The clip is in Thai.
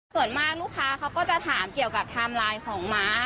ส่วนมากลูกค้าเขาก็จะถามเกี่ยวกับไทม์ไลน์ของม้า